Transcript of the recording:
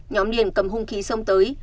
nhóm điền cầm hung khí xông tới